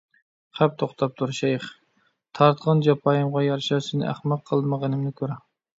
خەپ توختاپتۇر، شەيخ! تارتقان جاپايىمغا يارىشا سېنى ئەخمەق قىلمىغىنىمنى كۆر!